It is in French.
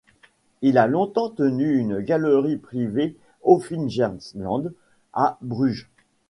Il a longtemps tenu une galerie privée Hoefijzerlaan à Bruges.